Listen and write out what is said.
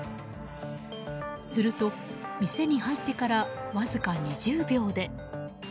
すると、店に入ってからわずか２０秒で。